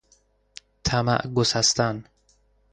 طمع گسستن